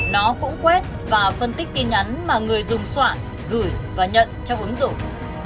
nó cũng quét và phân tích tin nhắn mà người dùng soạn gửi và nhận trong ứng dụng